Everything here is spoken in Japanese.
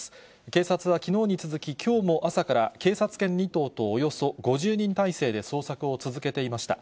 警察はきのうに続き、きょうも朝から警察犬２頭とおよそ５０人態勢で捜索を続けていました。